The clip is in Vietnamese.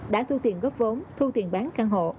đã thu tiền góp vốn thu tiền bán căn hộ